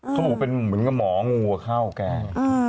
เขาบอกว่าเป็นเหมือนกับหมองูเข้าแก